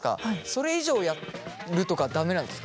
それ以上やるとか駄目なんですか？